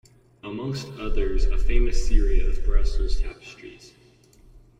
Amongst others a famous serie of brussels tapestries.